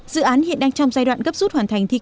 dự án hiện đang trong giai đoạn gấp rút hoàn thành thi công